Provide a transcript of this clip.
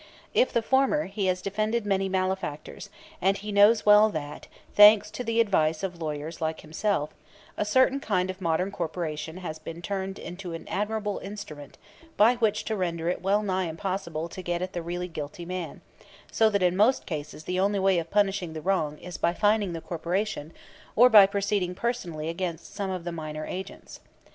If the former, he has defended many malefactors, and he knows well that, thanks to the advice of lawyers like himself, a certain kind of modern corporation has been turned into an admirable instrument by which to render it well nigh impossible to get at the really guilty man, so that in most cases the only way of punishing the wrong is by fining the corporation or by proceeding personally against some of the minor agents.